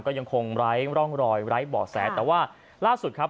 ก็ยังคงไร้ร่องรอยไร้เบาะแสแต่ว่าล่าสุดครับ